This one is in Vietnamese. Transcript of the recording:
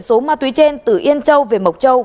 số ma túy trên từ yên châu về mộc châu